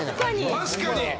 確かに！